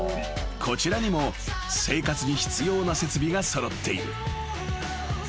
［こちらにも生活に必要な設備が揃っている］